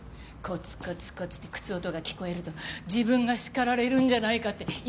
コツコツコツって靴音が聞こえると自分が叱られるんじゃないかって胃が痛くなるそうよ。